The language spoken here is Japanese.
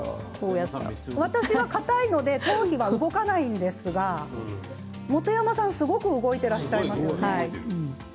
私は、かたいので頭皮が動かないんですが本山さん、すごく動いていらっしゃいますよね。